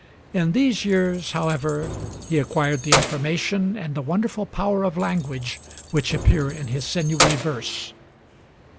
In these years, however, he acquired the information and the wonderful power of language which appear in his sinewy verse.